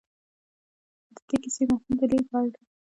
خو د دې کيسې مفهوم د لېږد وړ دی.